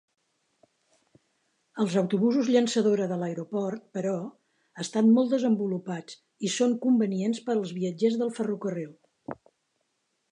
Els autobusos llançadora de l'aeroport, però, estan molt desenvolupats i són convenients per als viatgers del ferrocarril.